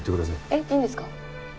えっいいんですか？